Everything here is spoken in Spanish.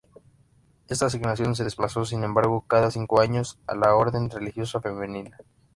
Esta asignación se desplazó, sin embargo, cada cinco años a otra orden religiosa femenina.